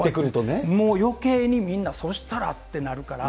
もうよけいにみんな、そうしたらってなるから。